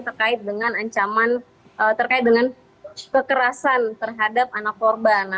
terkait dengan ancaman terkait dengan kekerasan terhadap anak korban